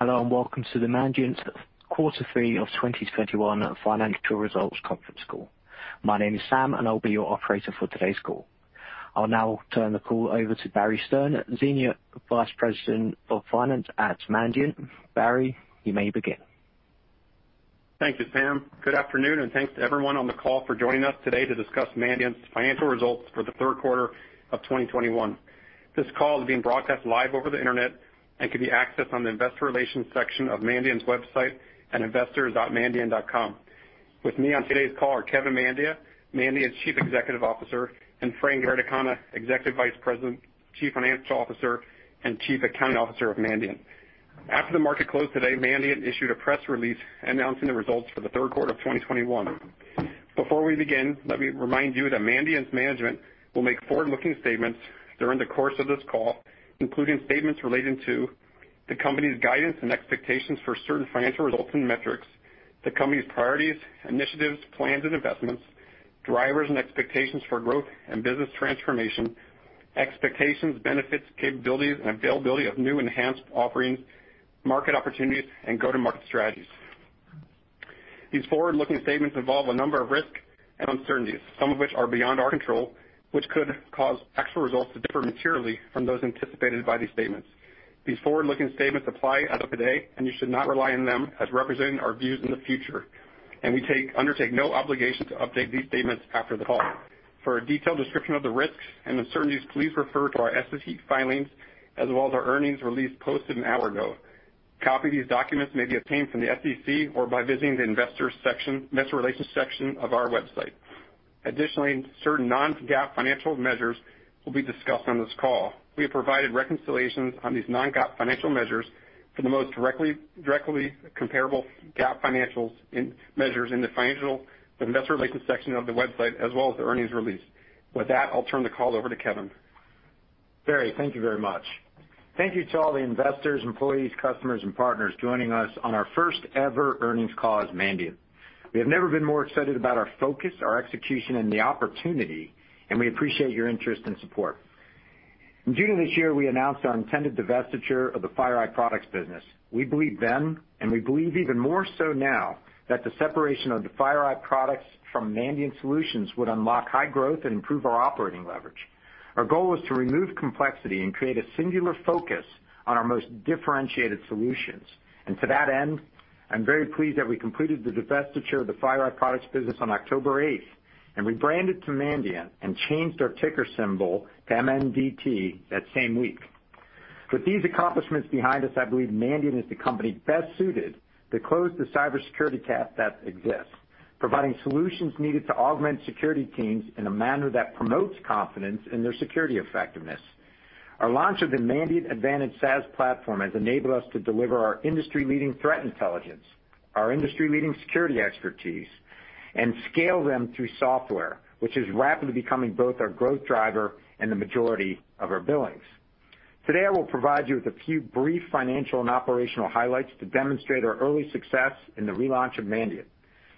Hello, and welcome to Mandiant's quarter 3 2021 financial results conference call. My name is Sam, and I'll be your operator for today's call. I'll now turn the call over to Barry Stern, Senior Vice President of Finance at Mandiant. Barry, you may begin. Thank you, Sam. Good afternoon, and thanks to everyone on the call for joining us today to discuss Mandiant's financial results for the third quarter of 2021. This call is being broadcast live over the Internet and can be accessed on the investor relations section of Mandiant's website at investors.mandiant.com. With me on today's call are Kevin Mandia, Mandiant's Chief Executive Officer, and Frank Verdecanna, Executive Vice President, Chief Financial Officer, and Chief Accounting Officer of Mandiant. After the market closed today, Mandiant issued a press release announcing the results for the third quarter of 2021. Before we begin, let me remind you that Mandiant's management will make forward-looking statements during the course of this call, including statements relating to the company's guidance and expectations for certain financial results and metrics, the company's priorities, initiatives, plans, and investments, drivers and expectations for growth and business transformation, expectations, benefits, capabilities, and availability of new enhanced offerings, market opportunities, and go-to-market strategies. These forward-looking statements involve a number of risks and uncertainties, some of which are beyond our control, which could cause actual results to differ materially from those anticipated by these statements. These forward-looking statements apply as of today, and you should not rely on them as representing our views in the future, and we undertake no obligation to update these statements after the call. For a detailed description of the risks and uncertainties, please refer to our SEC filings as well as our earnings release posted an hour ago. Copies of these documents may be obtained from the SEC or by visiting the investor relations section of our website. Additionally, certain non-GAAP financial measures will be discussed on this call. We have provided reconciliations of these non-GAAP financial measures to the most directly comparable GAAP financial measures in the investor relations section of the website as well as the earnings release. With that, I'll turn the call over to Kevin. Barry, thank you very much. Thank you to all the investors, employees, customers, and partners joining us on our first-ever earnings call as Mandiant. We have never been more excited about our focus, our execution, and the opportunity, and we appreciate your interest and support. In June of this year, we announced our intended divestiture of the FireEye Products business. We believed then, and we believe even more so now, that the separation of the FireEye products from Mandiant Solutions would unlock high growth and improve our operating leverage. Our goal was to remove complexity and create a singular focus on our most differentiated solutions. To that end, I'm very pleased that we completed the divestiture of the FireEye Products business on October eighth and rebranded to Mandiant and changed our ticker symbol to MNDT that same week. With these accomplishments behind us, I believe Mandiant is the company best suited to close the cybersecurity gap that exists, providing solutions needed to augment security teams in a manner that promotes confidence in their security effectiveness. Our launch of the Mandiant Advantage SaaS platform has enabled us to deliver our industry-leading threat intelligence, our industry-leading security expertise, and scale them through software, which is rapidly becoming both our growth driver and the majority of our billings. Today, I will provide you with a few brief financial and operational highlights to demonstrate our early success in the relaunch of Mandiant,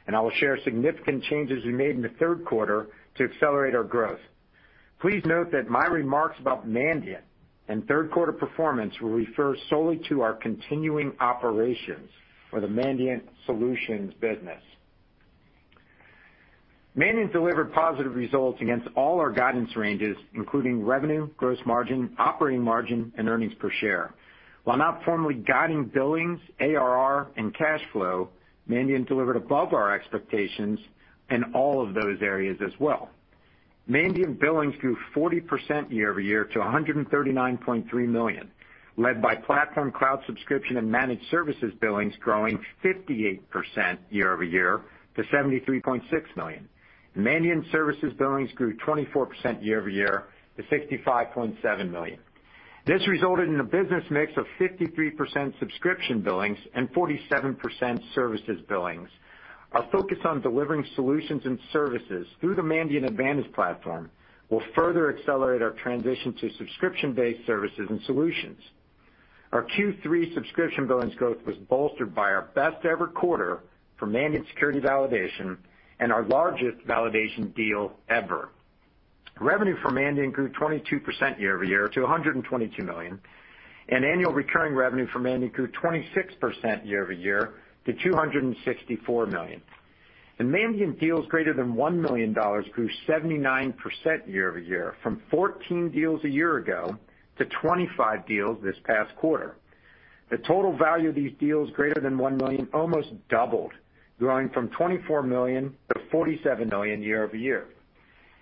and I will share significant changes we made in the third quarter to accelerate our growth. Please note that my remarks about Mandiant and third quarter performance will refer solely to our continuing operations for the Mandiant Solutions business. Mandiant delivered positive results against all our guidance ranges, including revenue, gross margin, operating margin, and earnings per share. While not formally guiding billings, ARR, and cash flow, Mandiant delivered above our expectations in all of those areas as well. Mandiant billings grew 40% year over year to $139.3 million, led by platform cloud subscription and managed services billings growing 58% year over year to $73.6 million. Mandiant services billings grew 24% year over year to $65.7 million. This resulted in a business mix of 53% subscription billings and 47% services billings. Our focus on delivering solutions and services through the Mandiant Advantage platform will further accelerate our transition to subscription-based services and solutions. Our Q3 subscription billings growth was bolstered by our best-ever quarter for Mandiant Security Validation and our largest validation deal ever. Revenue for Mandiant grew 22% year-over-year to $122 million, and annual recurring revenue for Mandiant grew 26% year-over-year to $264 million. Mandiant deals greater than $1 million grew 79% year-over-year from 14 deals a year ago to 25 deals this past quarter. The total value of these deals greater than $1 million almost doubled, growing from $24 million-$47 million year-over-year.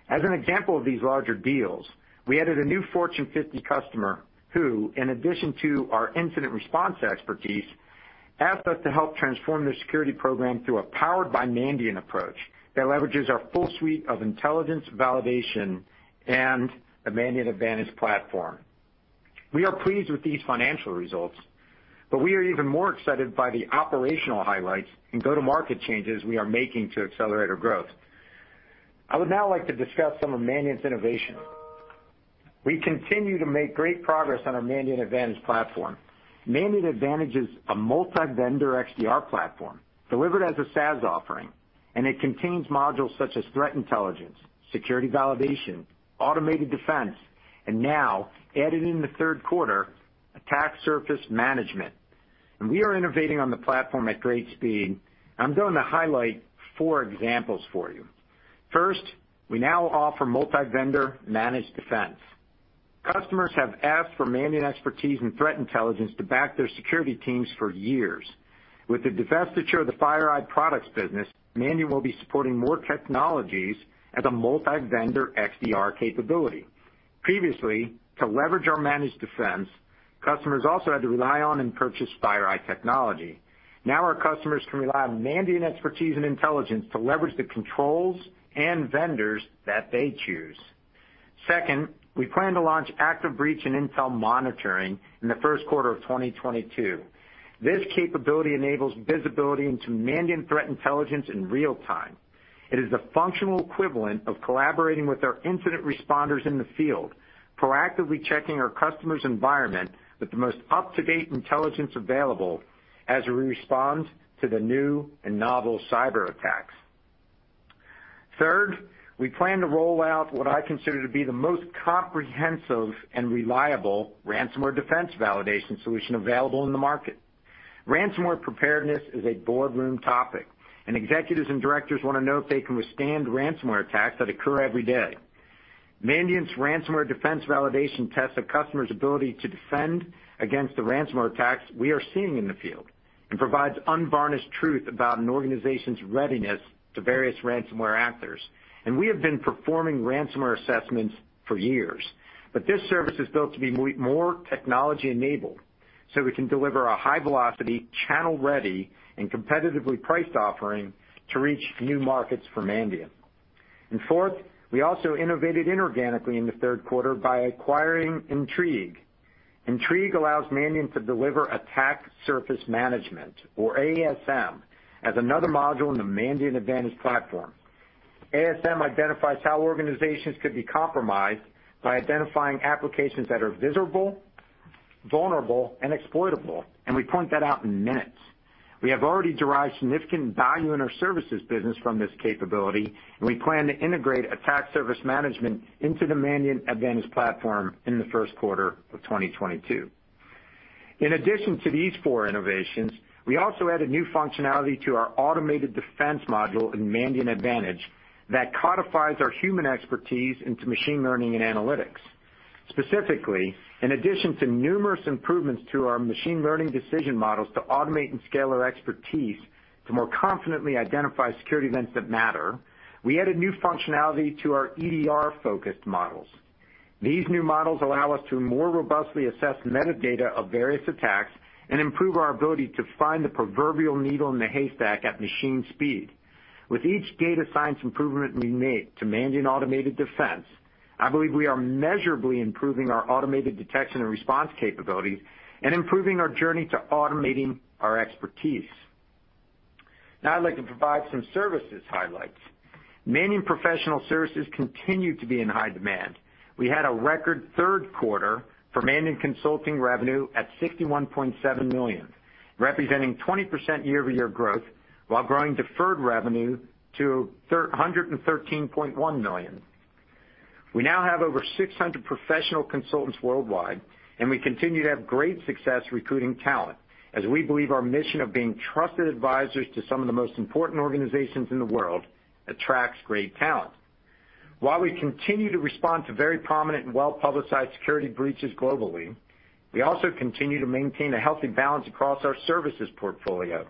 As an example of these larger deals, we added a new Fortune 50 customer who, in addition to our incident response expertise, asked us to help transform their security program through a Powered by Mandiant approach that leverages our full suite of intelligence, validation, and the Mandiant Advantage platform. We are pleased with these financial results, but we are even more excited by the operational highlights and go-to-market changes we are making to accelerate our growth. I would now like to discuss some of Mandiant's innovations. We continue to make great progress on our Mandiant Advantage platform. Mandiant Advantage is a multi-vendor XDR platform delivered as a SaaS offering, and it contains modules such as threat intelligence, security validation, automated defense, and now, added in the third quarter, attack surface management. We are innovating on the platform at great speed. I'm going to highlight four examples for you. First, we now offer multi-vendor managed defense. Customers have asked for Mandiant expertise and threat intelligence to back their security teams for years. With the divestiture of the FireEye Products business, Mandiant will be supporting more technologies as a multi-vendor XDR capability. Previously, to leverage our Managed Defense, customers also had to rely on and purchase FireEye technology. Now our customers can rely on Mandiant expertise and intelligence to leverage the controls and vendors that they choose. Second, we plan to launch Active Breach and Intel Monitoring in the first quarter of 2022. This capability enables visibility into Mandiant Threat Intelligence in real time. It is the functional equivalent of collaborating with our incident responders in the field, proactively checking our customer's environment with the most up-to-date intelligence available as we respond to the new and novel cyberattacks. Third, we plan to roll out what I consider to be the most comprehensive and reliable Ransomware Defense Validation solution available in the market. Ransomware preparedness is a boardroom topic, and executives and directors wanna know if they can withstand ransomware attacks that occur every day. Mandiant's Ransomware Defense Validation tests a customer's ability to defend against the ransomware attacks we are seeing in the field and provides unvarnished truth about an organization's readiness to various ransomware actors. We have been performing ransomware assessments for years. This service is built to be more technology-enabled, so we can deliver a high-velocity, channel-ready, and competitively priced offering to reach new markets for Mandiant. Fourth, we also innovated inorganically in the third quarter by acquiring Intrigue. Intrigue allows Mandiant to deliver Attack Surface Management, or ASM, as another module in the Mandiant Advantage platform. ASM identifies how organizations could be compromised by identifying applications that are visible, vulnerable, and exploitable, and we point that out in minutes. We have already derived significant value in our services business from this capability, and we plan to integrate Attack Surface Management into the Mandiant Advantage platform in the first quarter of 2022. In addition to these four innovations, we also added new functionality to our Automated Defense module in Mandiant Advantage that codifies our human expertise into machine learning and analytics. Specifically, in addition to numerous improvements to our machine learning decision models to automate and scale our expertise to more confidently identify security events that matter, we added new functionality to our EDR-focused models. These new models allow us to more robustly assess metadata of various attacks and improve our ability to find the proverbial needle in the haystack at machine speed. With each data science improvement we make to Mandiant Automated Defense, I believe we are measurably improving our automated detection and response capabilities and improving our journey to automating our expertise. Now I'd like to provide some services highlights. Mandiant professional services continue to be in high demand. We had a record third quarter for Mandiant consulting revenue at $61.7 million, representing 20% year-over-year growth while growing deferred revenue to $313.1 million. We now have over 600 professional consultants worldwide, and we continue to have great success recruiting talent, as we believe our mission of being trusted advisors to some of the most important organizations in the world attracts great talent. While we continue to respond to very prominent and well-publicized security breaches globally, we also continue to maintain a healthy balance across our services portfolio,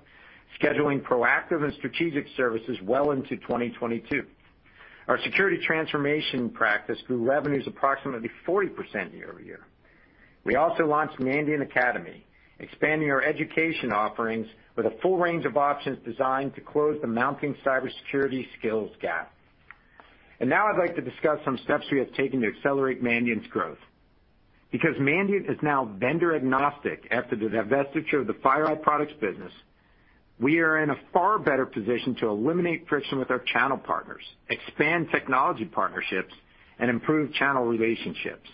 scheduling proactive and strategic services well into 2022. Our security transformation practice grew revenues approximately 40% year-over-year. We also launched Mandiant Academy, expanding our education offerings with a full range of options designed to close the mounting cybersecurity skills gap. Now I'd like to discuss some steps we have taken to accelerate Mandiant's growth. Because Mandiant is now vendor-agnostic after the divestiture of the FireEye Products business, we are in a far better position to eliminate friction with our channel partners, expand technology partnerships, and improve channel relationships.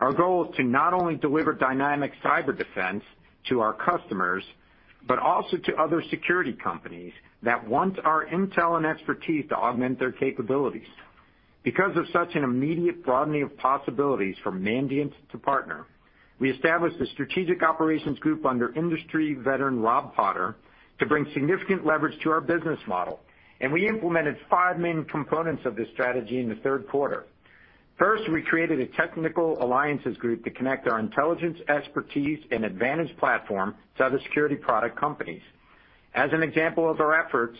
Our goal is to not only deliver dynamic cyber defense to our customers, but also to other security companies that want our intel and expertise to augment their capabilities. Because of such an immediate broadening of possibilities from Mandiant to partner, we established a strategic operations group under industry veteran Rob Potter to bring significant leverage to our business model, and we implemented five main components of this strategy in the third quarter. First, we created a technical alliances group to connect our intelligence, expertise, and Advantage platform to other security product companies. As an example of our efforts,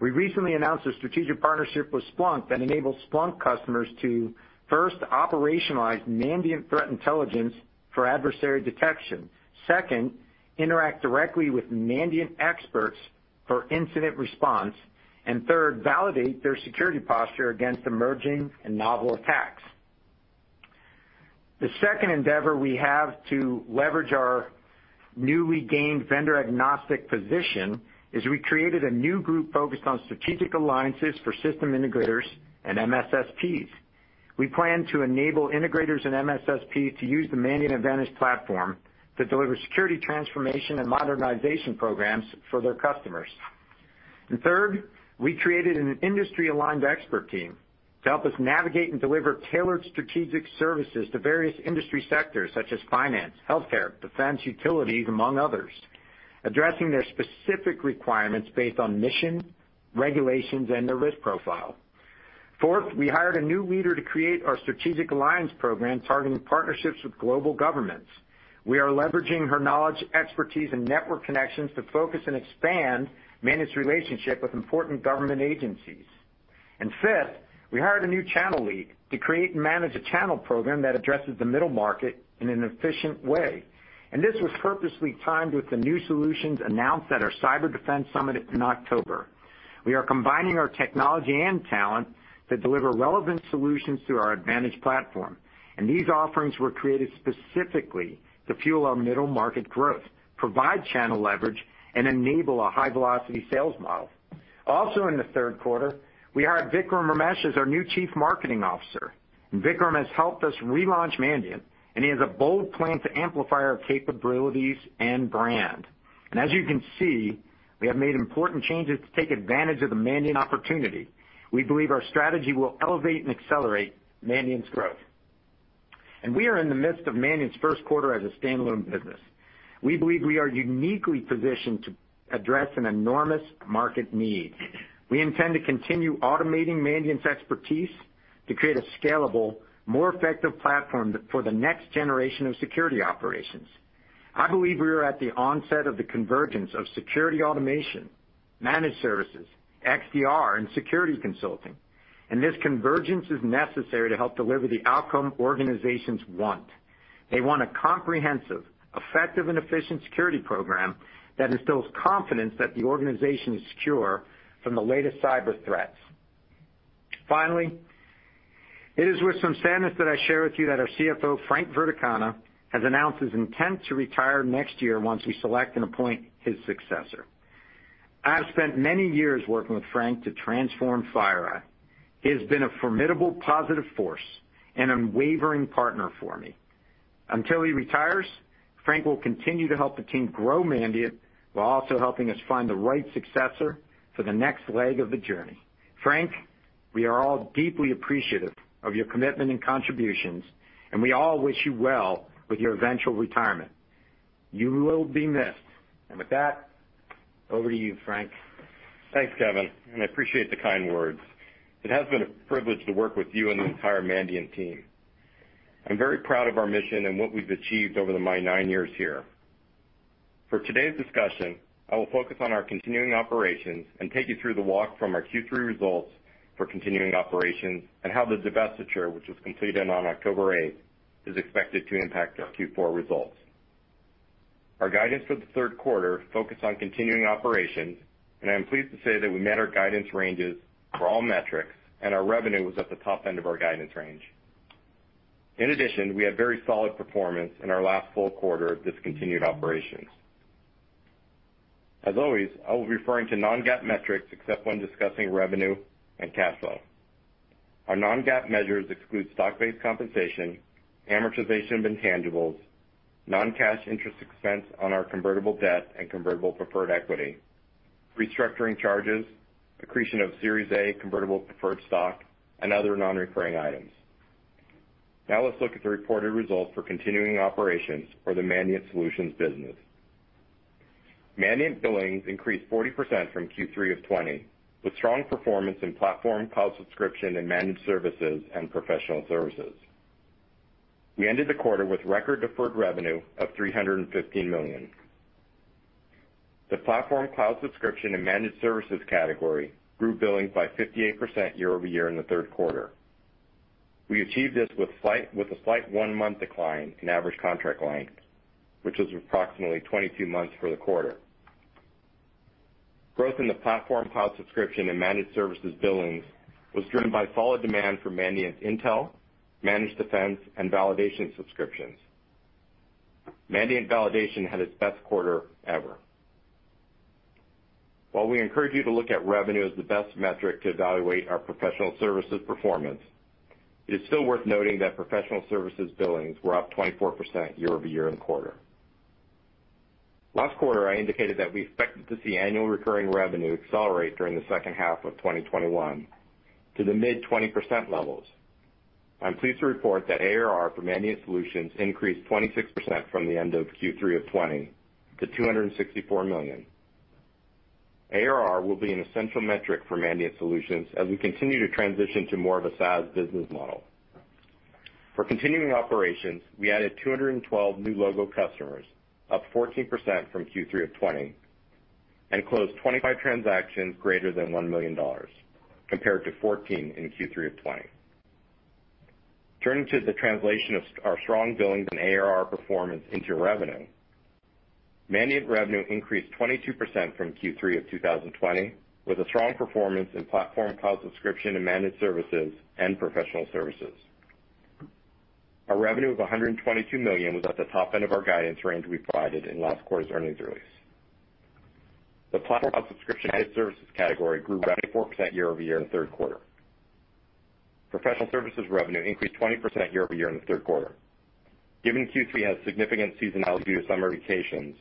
we recently announced a strategic partnership with Splunk that enables Splunk customers to, first, operationalize Mandiant Threat Intelligence for adversary detection. Second, interact directly with Mandiant experts for incident response. Third, validate their security posture against emerging and novel attacks. The second endeavor we have to leverage our newly gained vendor-agnostic position is we created a new group focused on strategic alliances for system integrators and MSSPs. We plan to enable integrators and MSSP to use the Mandiant Advantage platform to deliver security transformation and modernization programs for their customers. Third, we created an industry-aligned expert team to help us navigate and deliver tailored strategic services to various industry sectors such as finance, healthcare, defense, utilities, among others, addressing their specific requirements based on mission, regulations, and their risk profile. Fourth, we hired a new leader to create our strategic alliance program targeting partnerships with global governments. We are leveraging her knowledge, expertise, and network connections to focus and expand Mandiant's relationship with important government agencies. Fifth, we hired a new channel lead to create and manage a channel program that addresses the middle market in an efficient way. This was purposely timed with the new solutions announced at our Cyber Defense Summit in October. We are combining our technology and talent to deliver relevant solutions through our Advantage platform, and these offerings were created specifically to fuel our middle market growth, provide channel leverage, and enable a high-velocity sales model. Also in the third quarter, we hired Vikram Ramesh as our new Chief Marketing Officer. Vikram has helped us relaunch Mandiant, and he has a bold plan to amplify our capabilities and brand. As you can see, we have made important changes to take advantage of the Mandiant opportunity. We believe our strategy will elevate and accelerate Mandiant's growth. We are in the midst of Mandiant's first quarter as a standalone business. We believe we are uniquely positioned to address an enormous market need. We intend to continue automating Mandiant's expertise to create a scalable, more effective platform for the next generation of security operations. I believe we are at the onset of the convergence of security automation, managed services, XDR, and security consulting. This convergence is necessary to help deliver the outcome organizations want. They want a comprehensive, effective, and efficient security program that instills confidence that the organization is secure from the latest cyber threats. Finally, it is with some sadness that I share with you that our CFO, Frank Verdecanna, has announced his intent to retire next year once we select and appoint his successor. I have spent many years working with Frank to transform FireEye. He has been a formidable, positive force and an unwavering partner for me. Until he retires, Frank will continue to help the team grow Mandiant while also helping us find the right successor for the next leg of the journey. Frank, we are all deeply appreciative of your commitment and contributions, and we all wish you well with your eventual retirement. You will be missed. With that, over to you, Frank. Thanks, Kevin, and I appreciate the kind words. It has been a privilege to work with you and the entire Mandiant team. I'm very proud of our mission and what we've achieved over my nine years here. For today's discussion, I will focus on our continuing operations and take you through the walk from our Q3 results for continuing operations and how the divestiture, which was completed on October eighth, is expected to impact our Q4 results. Our guidance for the third quarter focused on continuing operations, and I am pleased to say that we met our guidance ranges for all metrics and our revenue was at the top end of our guidance range. In addition, we had very solid performance in our last full quarter of discontinued operations. As always, I will be referring to non-GAAP metrics except when discussing revenue and cash flow. Our non-GAAP measures exclude stock-based compensation, amortization of intangibles, non-cash interest expense on our convertible debt and convertible preferred equity, restructuring charges, accretion of Series A convertible preferred stock, and other non-recurring items. Now let's look at the reported results for continuing operations for the Mandiant Solutions business. Mandiant billings increased 40% from Q3 of 2020, with strong performance in platform cloud subscription and managed services and professional services. We ended the quarter with record deferred revenue of $315 million. The platform cloud subscription and managed services category grew billings by 58% year-over-year in the third quarter. We achieved this with a slight one-month decline in average contract length, which was approximately 22 months for the quarter. Growth in the platform cloud subscription and managed services billings was driven by solid demand for Mandiant Intel, Managed Defense, and Validation subscriptions. Mandiant Security Validation had its best quarter ever. While we encourage you to look at revenue as the best metric to evaluate our professional services performance, it is still worth noting that professional services billings were up 24% year-over-year in the quarter. Last quarter, I indicated that we expected to see annual recurring revenue accelerate during the second half of 2021 to the mid-20% levels. I'm pleased to report that ARR for Mandiant Solutions increased 26% from the end of Q3 of 2020 to $264 million. ARR will be an essential metric for Mandiant Solutions as we continue to transition to more of a SaaS business model. For continuing operations, we added 212 new logo customers, up 14% from Q3 of 2020, and closed 25 transactions greater than $1 million, compared to 14 in Q3 of 2020. Turning to the translation of our strong billings and ARR performance into revenue, Mandiant revenue increased 22% from Q3 of 2020, with a strong performance in platform cloud subscription and managed services and professional services. Our revenue of $122 million was at the top end of our guidance range we provided in last quarter's earnings release. The platform cloud subscription and managed services category grew 24% year-over-year in the third quarter. Professional services revenue increased 20% year-over-year in the third quarter. Given Q3 has significant seasonality due to summer vacations,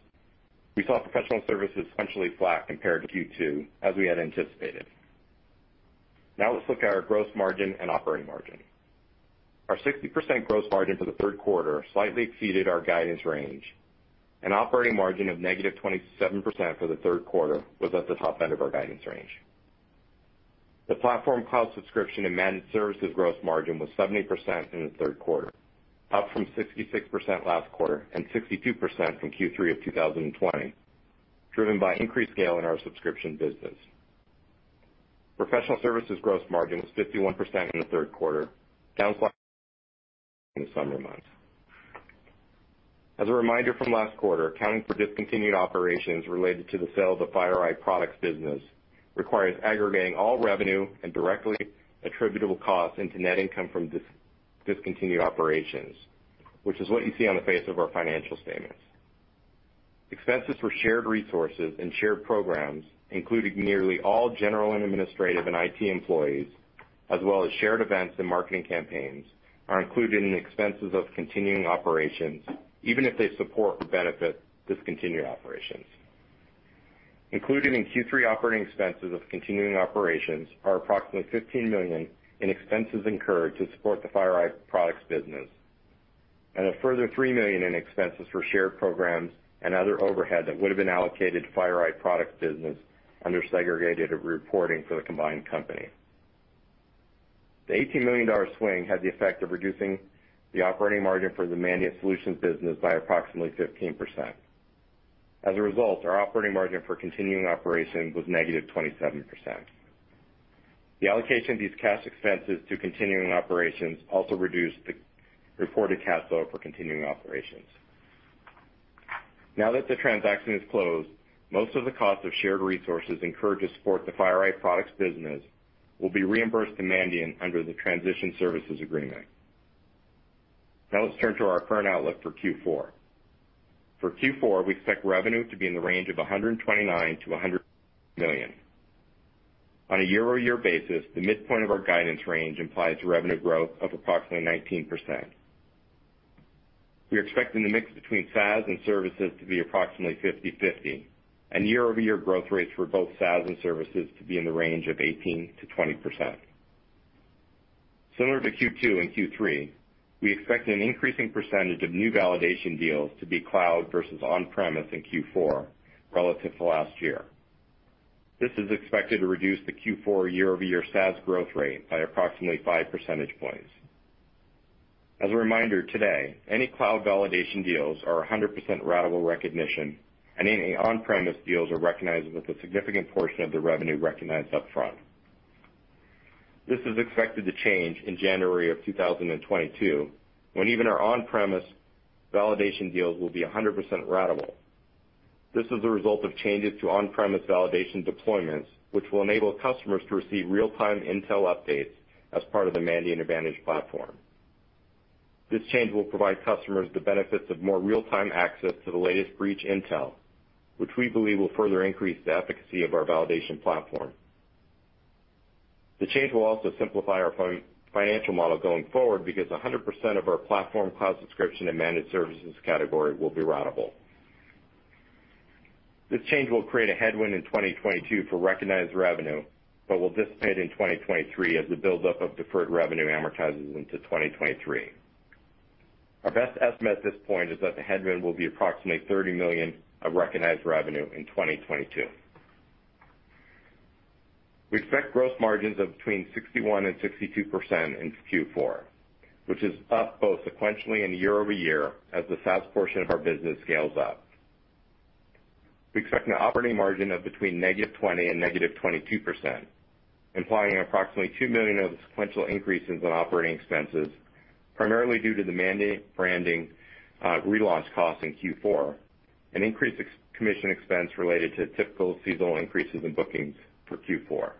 we saw professional services essentially flat compared to Q2 as we had anticipated. Now let's look at our gross margin and operating margin. Our 60% gross margin for the third quarter slightly exceeded our guidance range, and operating margin of -27% for the third quarter was at the top end of our guidance range. The platform cloud subscription and managed services gross margin was 70% in the third quarter, up from 66% last quarter and 62% from Q3 of 2020, driven by increased scale in our subscription business. Professional services gross margin was 51% in the third quarter, down slightly from the summer months. As a reminder from last quarter, accounting for discontinued operations related to the sale of FireEye Products business requires aggregating all revenue and directly attributable costs into net income from discontinued operations, which is what you see on the face of our financial statements. Expenses for shared resources and shared programs, including nearly all general and administrative and IT employees, as well as shared events and marketing campaigns, are included in the expenses of continuing operations, even if they support or benefit discontinued operations. Included in Q3 operating expenses of continuing operations are approximately $15 million in expenses incurred to support the FireEye Products business and a further $3 million in expenses for shared programs and other overhead that would have been allocated to FireEye Products business under segregated reporting for the combined company. The $18 million swing had the effect of reducing the operating margin for the Mandiant Solutions business by approximately 15%. As a result, our operating margin for continuing operations was negative 27%. The allocation of these cash expenses to continuing operations also reduced the reported cash flow for continuing operations. Now that the transaction is closed, most of the cost of shared resources incurred to support the FireEye Products business will be reimbursed to Mandiant under the Transition Services Agreement. Now let's turn to our current outlook for Q4. For Q4, we expect revenue to be in the range of $129 million-$130 million. On a year-over-year basis, the midpoint of our guidance range implies revenue growth of approximately 19%. We are expecting the mix between SaaS and services to be approximately 50/50, and year-over-year growth rates for both SaaS and services to be in the range of 18%-20%. Similar to Q2 and Q3, we expect an increasing percentage of new validation deals to be cloud versus on-premise in Q4 relative to last year. This is expected to reduce the Q4 year-over-year SaaS growth rate by approximately five percentage points. As a reminder today, any cloud validation deals are 100% ratable recognition, and any on-premise deals are recognized with a significant portion of the revenue recognized upfront. This is expected to change in January of 2022, when even our on-premise validation deals will be 100% ratable. This is a result of changes to on-premise validation deployments, which will enable customers to receive real-time intel updates as part of the Mandiant Advantage platform. This change will provide customers the benefits of more real-time access to the latest breach intel, which we believe will further increase the efficacy of our validation platform. The change will also simplify our financial model going forward because 100% of our platform cloud subscription and managed services category will be ratable. This change will create a headwind in 2022 for recognized revenue, but will dissipate in 2023 as the buildup of deferred revenue amortizes into 2023. Our best estimate at this point is that the headwind will be approximately $30 million of recognized revenue in 2022. We expect gross margins of between 61% and 62% in Q4, which is up both sequentially and year-over-year as the SaaS portion of our business scales up. We expect an operating margin of between -20% and -22%, implying approximately $2 million of sequential increases in operating expenses, primarily due to the Mandiant branding relaunch costs in Q4 and increased non-commission expense related to typical seasonal increases in bookings for Q4.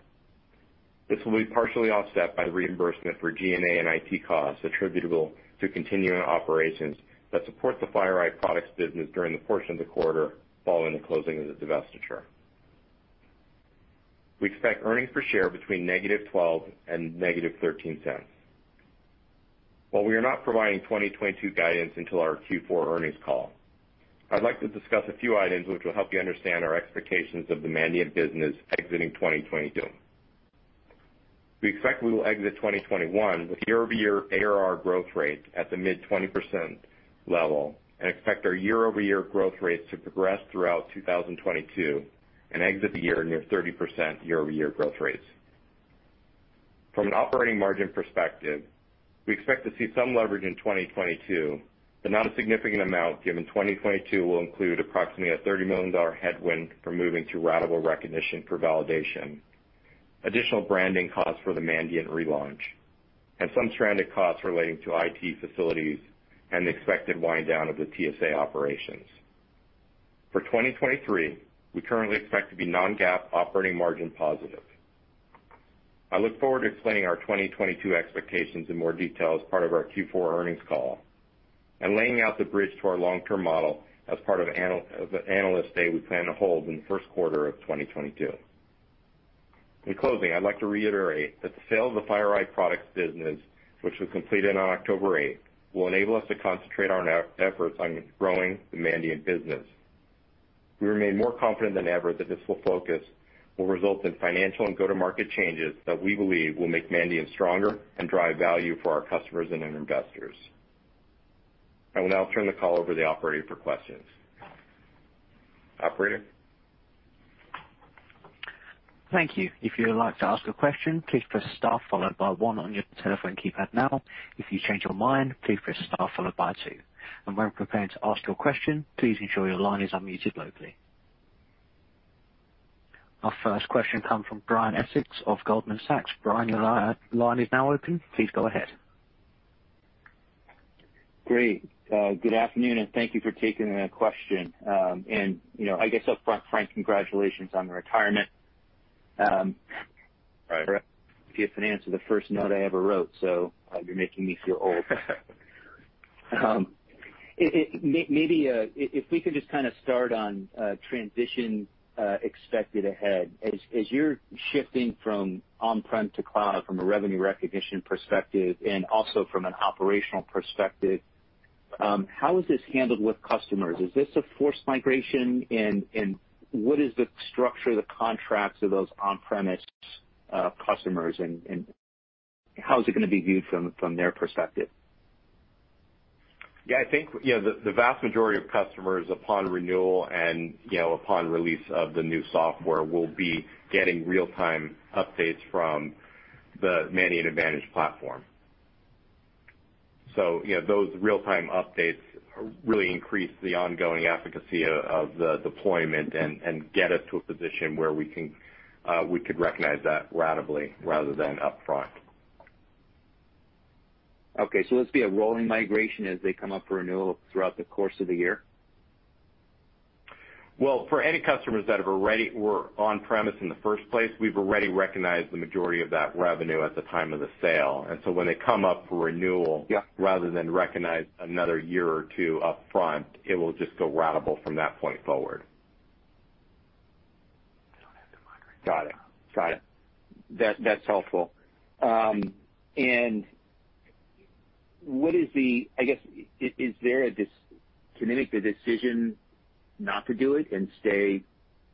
This will be partially offset by the reimbursement for G&A and IT costs attributable to continuing operations that support the FireEye Products business during the portion of the quarter following the closing of the divestiture. We expect earnings per share between -$0.12 and -$0.13. While we are not providing 2022 guidance until our Q4 earnings call, I'd like to discuss a few items which will help you understand our expectations of the Mandiant business exiting 2021. We expect we will exit 2021 with year-over-year ARR growth rate at the mid-20% level and expect our year-over-year growth rates to progress throughout 2022 and exit the year near 30% year-over-year growth rates. From an operating margin perspective, we expect to see some leverage in 2022, but not a significant amount, given 2022 will include approximately a $30 million headwind from moving to ratable recognition for validation, additional branding costs for the Mandiant relaunch, and some stranded costs relating to IT facilities and the expected wind down of the TSA operations. For 2023, we currently expect to be non-GAAP operating margin positive. I look forward to explaining our 2022 expectations in more detail as part of our Q4 earnings call and laying out the bridge to our long-term model as part of the Analyst Day we plan to hold in the first quarter of 2022. In closing, I'd like to reiterate that the sale of the FireEye Products business, which was completed on October 8, will enable us to concentrate our efforts on growing the Mandiant business. We remain more confident than ever that this full focus will result in financial and go-to-market changes that we believe will make Mandiant stronger and drive value for our customers and then investors. I will now turn the call over to the operator for questions. Operator? Thank you. If you'd like to ask a question, please press star followed by one on your telephone keypad now. If you change your mind, please press star followed by two. When preparing to ask your question, please ensure your line is unmuted locally. Our first question comes from Brian Essex of Goldman Sachs. Brian, your line is now open. Please go ahead. Great. Good afternoon, and thank you for taking a question. You know, I guess upfront, Frank, congratulations on the retirement. Right. You financed the first note I ever wrote, so, you're making me feel old. If we could just kinda start on transition expected ahead. As you're shifting from on-prem to cloud from a revenue recognition perspective and also from an operational perspective, how is this handled with customers? Is this a forced migration? What is the structure of the contracts of those on-premise customers and how is it gonna be viewed from their perspective? Yeah, I think, you know, the vast majority of customers upon renewal and, you know, upon release of the new software will be getting real-time updates from the Mandiant Advantage platform. You know, those real-time updates really increase the ongoing efficacy of the deployment and get us to a position where we could recognize that ratably rather than upfront. Okay, this will be a rolling migration as they come up for renewal throughout the course of the year? Well, for any customers that have already were on-premises in the first place, we've already recognized the majority of that revenue at the time of the sale. When they come up for renewal- Yeah. Rather than recognize another year or two upfront, it will just go ratable from that point forward. Got it. That's helpful. I guess, can they make the decision not to do it and stay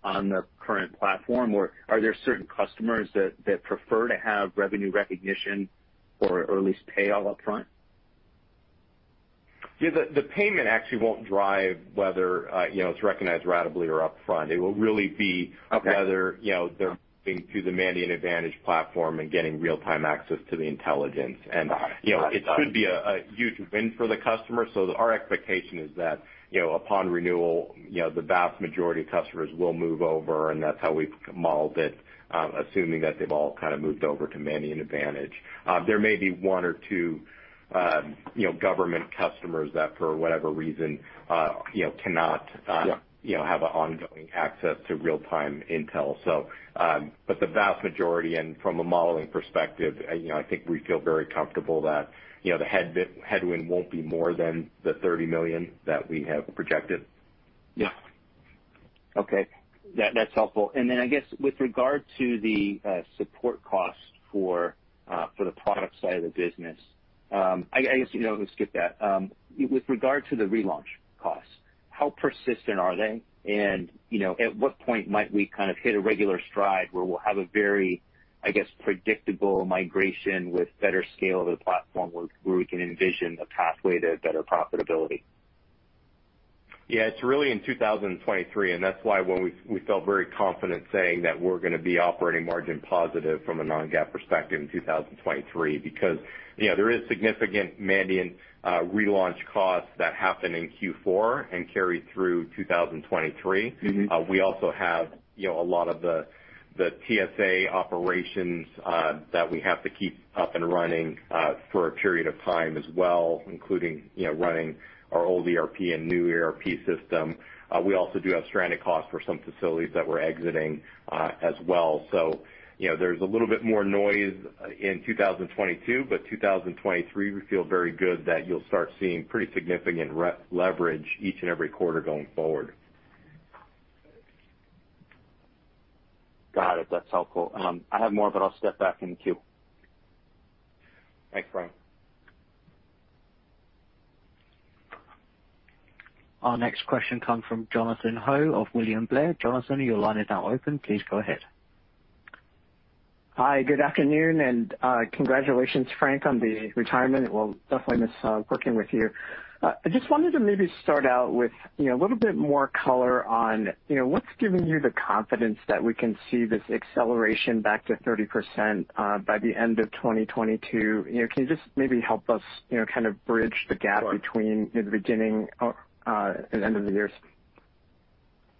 on the current platform, or are there certain customers that prefer to have revenue recognition or at least pay all upfront? Yeah, the payment actually won't drive whether, you know, it's recognized ratably or upfront. It will really be- Okay. whether, you know, they're moving to the Mandiant Advantage platform and getting real-time access to the intelligence. Got it. You know, it should be a huge win for the customer. Our expectation is that, you know, upon renewal, you know, the vast majority of customers will move over, and that's how we've modeled it, assuming that they've all kind of moved over to Mandiant Advantage. There may be one or two, you know, government customers that for whatever reason, you know, cannot. Yeah. you know, have a ongoing access to real-time intel. But the vast majority and from a modeling perspective, you know, I think we feel very comfortable that, you know, the headwind won't be more than the $30 million that we have projected. Yeah. Okay. That's helpful. Then I guess with regard to the support costs for the product side of the business, I guess, you know, we'll skip that. With regard to the relaunch costs, how persistent are they? You know, at what point might we kind of hit a regular stride where we'll have a very, I guess, predictable migration with better scale of the platform where we can envision a pathway to better profitability? Yeah, it's really in 2023, and that's why we felt very confident saying that we're gonna be operating margin positive from a non-GAAP perspective in 2023. Mm-hmm. Because, you know, there is significant Mandiant relaunch costs that happen in Q4 and carry through 2023. Mm-hmm. We also have, you know, a lot of the TSA operations that we have to keep up and running for a period of time as well, including, you know, running our old ERP and new ERP system. We also do have stranded costs for some facilities that we're exiting as well. You know, there's a little bit more noise in 2022, but 2023, we feel very good that you'll start seeing pretty significant re-leverage each and every quarter going forward. Got it. That's helpful. I have more, but I'll step back in the queue. Thanks, Brian. Our next question comes from Jonathan Ho of William Blair. Jonathan, your line is now open. Please go ahead. Hi, good afternoon, and congratulations, Frank, on the retirement. We'll definitely miss working with you. I just wanted to maybe start out with, you know, a little bit more color on, you know, what's giving you the confidence that we can see this acceleration back to 30% by the end of 2022? You know, can you just maybe help us, you know, kind of bridge the gap. Sure. between the beginning and end of the year?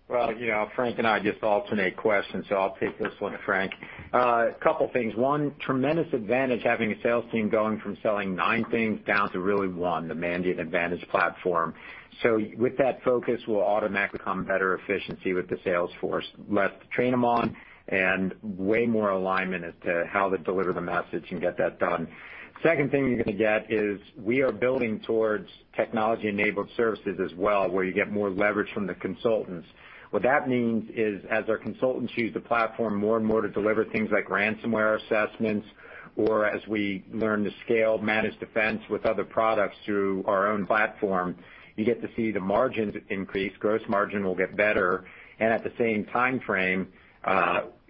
Well, you know, Frank and I just alternate questions, so I'll take this one, Frank. Couple things. One, tremendous advantage having a sales team going from selling nine things down to really one, the Mandiant Advantage platform. With that focus, we'll automatically come better efficiency with the sales force. Less to train them on, and way more alignment as to how to deliver the message and get that done. Second thing you're gonna get is we are building towards technology-enabled services as well, where you get more leverage from the consultants. What that means is as our consultants use the platform more and more to deliver things like ransomware assessments or as we learn to scale Managed Defense with other products through our own platform, you get to see the margins increase, gross margin will get better. At the same timeframe,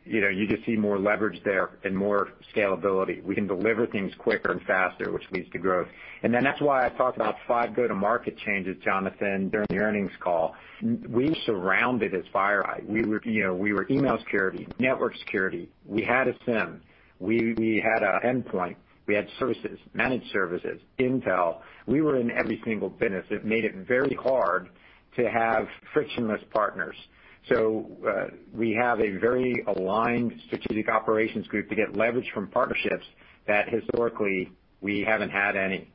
you know, you just see more leverage there and more scalability. We can deliver things quicker and faster, which leads to growth. That's why I talked about 5 go-to-market changes, Jonathan, during the earnings call. We were known as FireEye. We were, you know, we were email security, network security. We had a SIEM. We had an endpoint. We had services, managed services, intel. We were in every single business. It made it very hard to have frictionless partners. We have a very aligned strategic operations group to get leverage from partnerships that historically we haven't had any.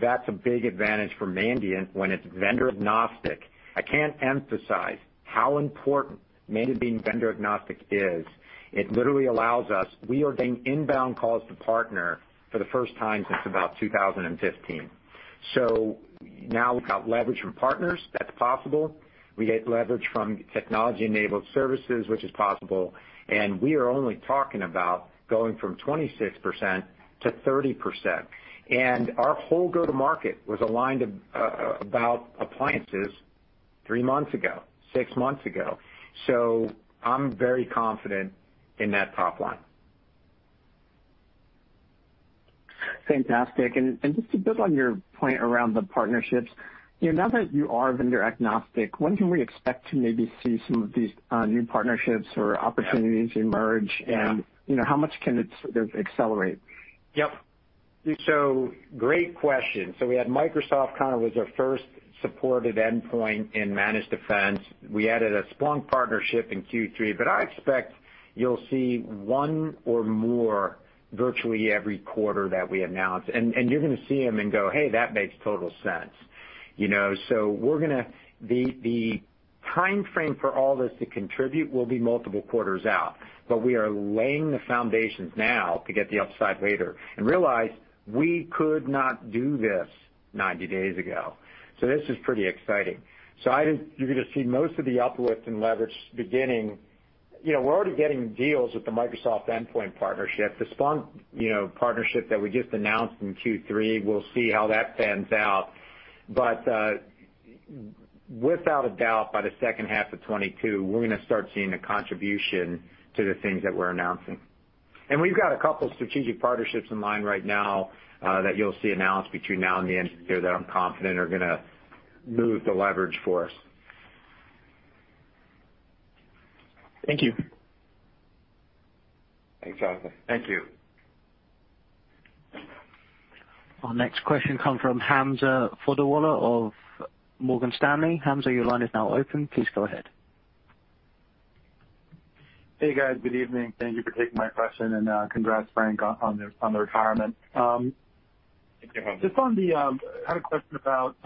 That's a big advantage for Mandiant when it's vendor-agnostic. I can't emphasize how important Mandiant being vendor-agnostic is. It literally allows us. We are getting inbound calls to partner for the first time since about 2015. Now we've got leverage from partners, that's possible. We get leverage from technology-enabled services, which is possible, and we are only talking about going from 26% to 30%. Our whole go-to-market was aligned about appliances three months ago, six months ago. I'm very confident in that top line. Fantastic. Just to build on your point around the partnerships, you know, now that you are vendor-agnostic, when can we expect to maybe see some of these new partnerships or opportunities emerge? Yeah. You know, how much can it sort of accelerate? Yep. Great question. We had Microsoft kind of was our first supported endpoint in Managed Defense. We added a Splunk partnership in Q3, but I expect you'll see one or more virtually every quarter that we announce. You're gonna see them and go, "Hey, that makes total sense." You know? The timeframe for all this to contribute will be multiple quarters out, but we are laying the foundations now to get the upside later. Realize we could not do this 90 days ago, so this is pretty exciting. You're gonna see most of the uplift in leverage beginning. You know, we're already getting deals with the Microsoft endpoint partnership. The Splunk, you know, partnership that we just announced in Q3, we'll see how that pans out. without a doubt, by the second half of 2022, we're gonna start seeing the contribution to the things that we're announcing. We've got a couple strategic partnerships in line right now, that you'll see announced between now and the end of the year that I'm confident are gonna move the leverage for us. Thank you. Thanks, Jonathan. Thank you. Our next question comes from Hamza Fodawala of Morgan Stanley. Hamza, your line is now open. Please go ahead. Hey, guys. Good evening. Thank you for taking my question, and congrats, Frank, on the retirement. Thank you, Hamza. I had a question about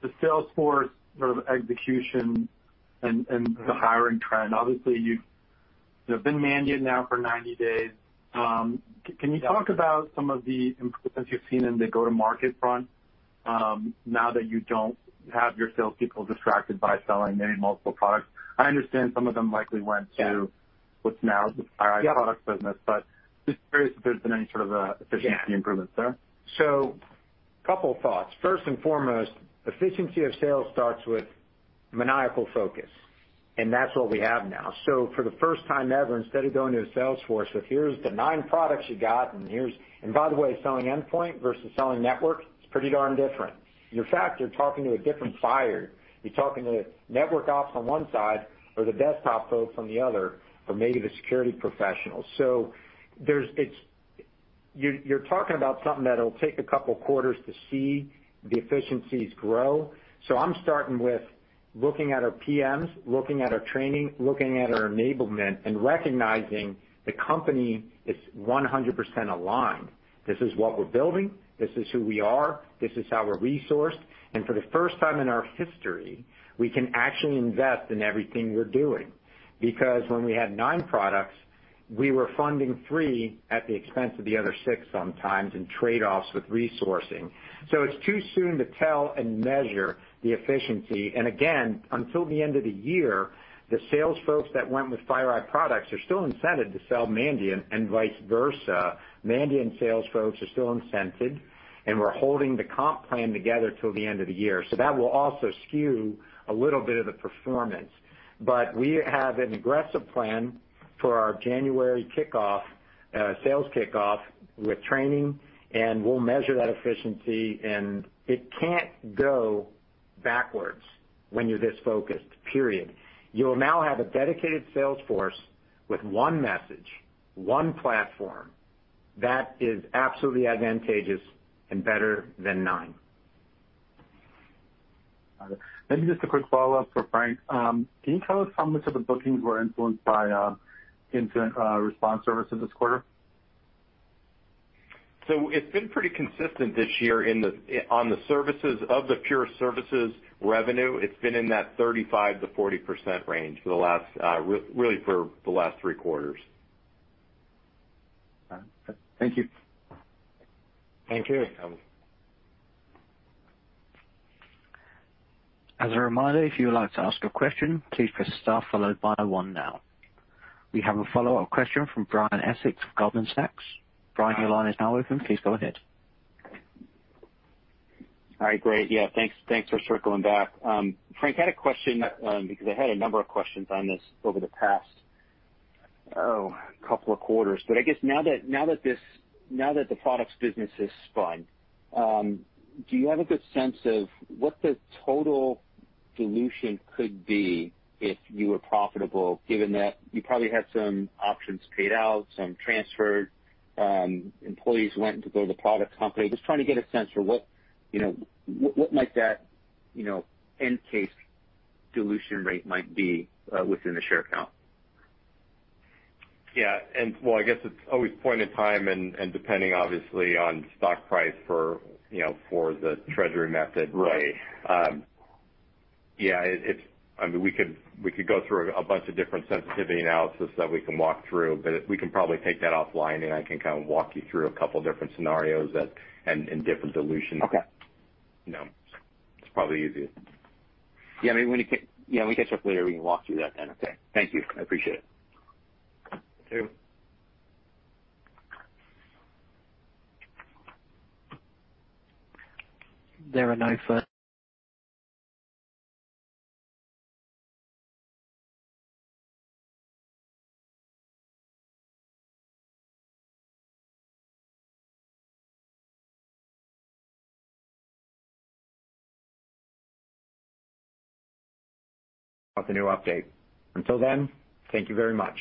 the Salesforce sort of execution and the hiring trend. Obviously, you've you know been Mandiant now for 90 days. Yeah. Can you talk about some of the improvements you've seen in the go-to-market front, now that you don't have your salespeople distracted by selling many multiple products? I understand some of them likely went to- Yeah. what's now the FireEye product business. Yep. Just curious if there's been any sort of efficiency improvements there? Yeah. Couple thoughts. First and foremost, efficiency of sales starts with maniacal focus, and that's what we have now. For the first time ever, instead of going to a sales force with, "Here's the 9 products you got, and here's..." By the way, selling endpoint versus selling network, it's pretty darn different. In fact, you're talking to a different buyer. You're talking to network ops on one side or the desktop folks on the other or maybe the security professionals. There's something that'll take a couple quarters to see the efficiencies grow. I'm starting with looking at our PMs, looking at our training, looking at our enablement, and recognizing the company is 100% aligned. This is what we're building. This is who we are. This is how we're resourced. For the first time in our history, we can actually invest in everything we're doing. Because when we had nine products, we were funding three at the expense of the other six sometimes in trade-offs with resourcing. It's too soon to tell and measure the efficiency. Again, until the end of the year, the sales folks that went with FireEye products are still incented to sell Mandiant, and vice versa. Mandiant sales folks are still incented, and we're holding the comp plan together till the end of the year. That will also skew a little bit of the performance. We have an aggressive plan for our January kickoff, sales kickoff with training, and we'll measure that efficiency, and it can't go backwards when you're this focused, period. You'll now have a dedicated sales force with one message, one platform. That is absolutely advantageous and better than nine. Got it. Maybe just a quick follow-up for Frank. Can you tell us how much of the bookings were influenced by incident response services this quarter? It's been pretty consistent this year on the services of the pure services revenue. It's been in that 35%-40% range for the last, really for the last three quarters. All right. Thank you. Thank you. As a reminder, if you would like to ask a question, please press star followed by one now. We have a follow-up question from Brian Essex of Goldman Sachs. Brian, your line is now open. Please go ahead. All right. Great. Yeah, thanks for circling back. Frank, I had a question because I had a number of questions on this over the past couple of quarters. I guess now that the products business is spun, do you have a good sense of what the total dilution could be if you were profitable, given that you probably had some options paid out, some transferred, employees went to go to the products company. Just trying to get a sense for what, you know, what might that, you know, end case dilution rate might be, within the share count. Yeah. Well, I guess it's always point in time and, depending obviously on stock price for, you know, for the treasury method. Right. I mean, we could go through a bunch of different sensitivity analysis that we can walk through, but we can probably take that offline, and I can kind of walk you through a couple different scenarios and different dilutions. Okay. You know, it's probably easier. Yeah, maybe when we catch up later, we can walk through that then. Okay. Thank you. I appreciate it. Thank you. There are no fur- The new update. Until then, thank you very much.